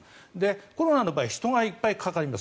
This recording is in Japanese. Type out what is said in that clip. コロナの場合人がいっぱいかかります。